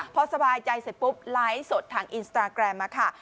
พอสบายใจเสร็จปุ๊บไลฟ์สดทางอินสตาแกรมมาค่ะ